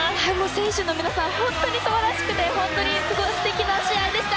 選手の皆さん本当に素晴らしくてすてきな試合でした。